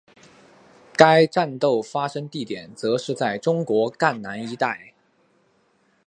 该战斗发生地点则是在中国赣南一带。